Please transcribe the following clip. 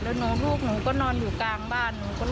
แล้วลูกหนูก็นอนอยู่กลางบ้าน